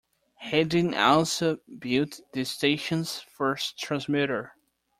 Hedin also built the station's first transmitter.